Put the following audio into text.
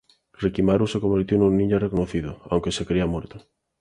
Rikimaru se convirtió en un ninja reconocido, aunque se creía muerto.